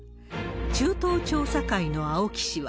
中東調査会の青木氏は。